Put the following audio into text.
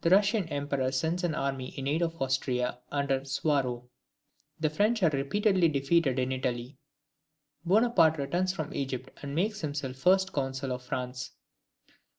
The Russian emperor sends an army in aid of Austria, under Suwarrow. The French are repeatedly defeated in Italy. Bonaparte returns from Egypt and makes himself First Consul of France.